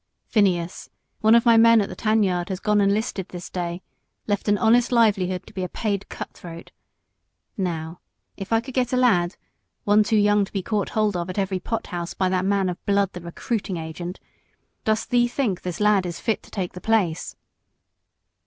"Phineas, one of my men at the tan yard has gone and 'listed this day left an honest livelihood to be a paid cut throat. Now, if I could get a lad one too young to be caught hold of at every pot house by that man of blood, the recruiting sergeant Dost thee think this lad is fit to take the place?"